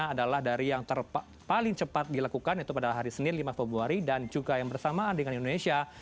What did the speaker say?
adalah dari yang paling cepat dilakukan yaitu pada hari senin lima februari dan juga yang bersamaan dengan indonesia